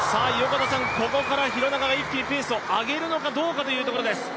ここから廣中が一気にペースを上げるのかどうかというところです。